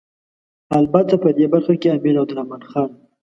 البته په دې برخه کې امیر عبدالرحمن خان.